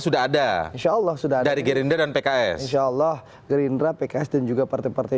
sudah ada insyaallah sudah ada di gerindra dan pks insyaallah gerindra pks dan juga partai partai